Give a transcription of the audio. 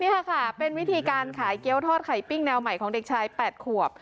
นี่ค่ะเป็นวิธีการขายเกี้ยวทอดไข่ปิ้งแนวใหม่ของเด็กชาย๘ขวบ